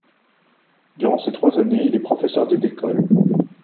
Durant ces trois années, il est professeur des écoles.